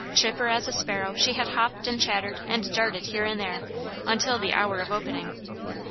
Chipper as a sparrow, she had hopped, and chattered, and darted here and there, until the hour of opening.